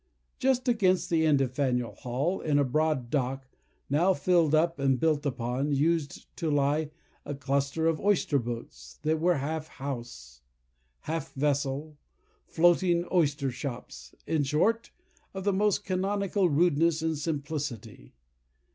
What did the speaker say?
Just against the end of Faneuil Hall, in a broad dock, now filled up and built upon, used to lie a cluster of oyster boats, that were half house, half vessel, floating oyster shops—in short, of the most canonical rudeness and simplicity.